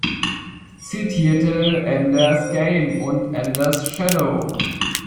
Zitierte: "Ender’s Game" und "Ender’s Shadow".